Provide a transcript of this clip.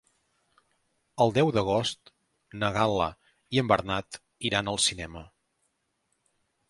El deu d'agost na Gal·la i en Bernat iran al cinema.